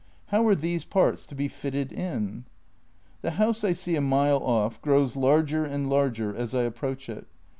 How are these parts to be fitted in? The house I see a mile off grows larger and larger as I approach it.